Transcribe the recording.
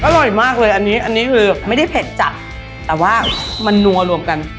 อร่อยมากเลยอันนี้อันนี้คือไม่ได้เผ็ดจัดแต่ว่ามันนัวรวมกัน